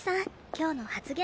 今日の発言